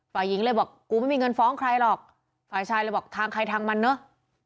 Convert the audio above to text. ฝ่ายหญิงเลยบอกกูไม่มีเงินฟ้องใครหรอกฝ่ายชายเลยบอกทางใครทางมันเนอะ